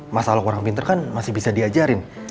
mas alok kurang pinter kan masih bisa diajarin